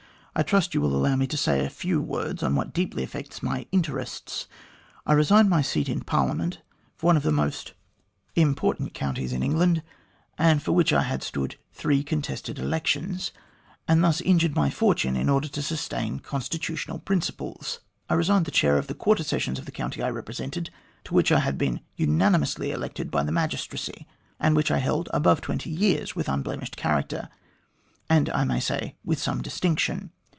I trust you will allow me to say a few words on what deeply affects my interests. I resigned my seat in Parliament for one of the most 156 THE GLADSTONE COLONY important counties in England, and for which I had stood three contested elections, and thus injured my fortune in order to sustain constitutional principles. I resigned the Chair of the Quarter Sessions of the county I represented, to which I had been unanimously elected by the Magistracy, and which I held above twenty years with unblemished character, and I may say with some distinction.